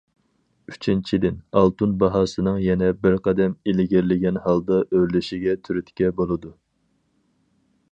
ئۈچىنچىدىن، ئالتۇن باھاسىنىڭ يەنە بىر قەدەم ئىلگىرىلىگەن ھالدا ئۆرلىشىگە تۈرتكە بولىدۇ.